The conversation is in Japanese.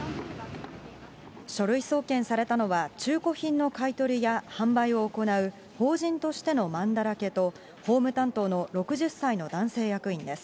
書類送検されたのは、中古品の買い取りや販売を行う法人としてのまんだらけと、法務担当の６０歳の男性役員です。